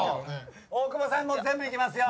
大久保さん全部いけますよ。